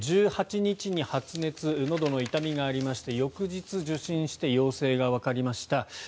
１８日に発熱、のどの痛みがありまして翌日、受診して陽性がわかりました。